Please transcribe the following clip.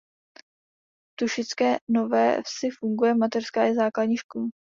V Tušické Nové vsi funguje mateřská i základní škola.